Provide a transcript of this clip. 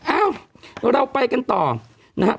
อ้าวแล้วเราไปกันต่อนะครับ